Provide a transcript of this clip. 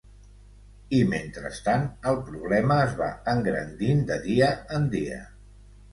I, mentrestant, el problema es va engrandint de dia en dia.